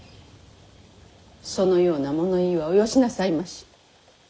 そのような物言いはおよしなさいまし。